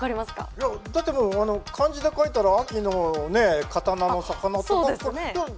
いやだってもう漢字で書いたら秋の刀の魚。